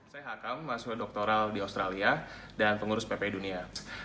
saya hakam mahasiswa doktoral di australia dan pengurus ppi dunia